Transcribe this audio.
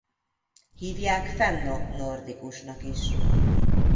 Hívják fenno-nordikusnak is.